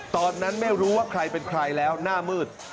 ตอนนั้นไม่รู้ว่าใครเป็นใครแล้วหน้ามืด